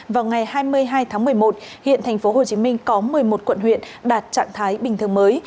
vào ngày hai mươi hai tháng một mươi một hiện tp hcm có một mươi một quận huyện đạt trạng thái bình thường mới